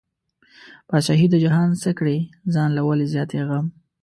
بادشاهي د جهان څه کړې، ځان له ولې زیاتی غم